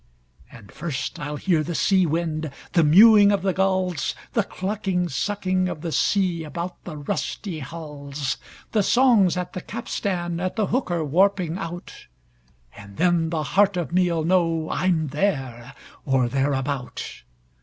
And first I'll hear the sea wind, the mewing of the gulls, The clucking, sucking of the sea about the rusty hulls, The songs at the capstan at the hooker warping out, And then the heart of me'll know I'm there or thereabout.